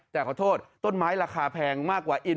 แต่ขอโทษต้นไม้ราคาแพงมากกว่าอิน